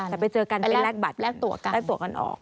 แต่ไปเจอกันไปแลกบัตรแลกตัวกันออก